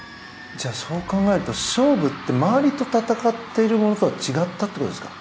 そう考えると勝負って周りと戦ってるものとは違ったってことですか？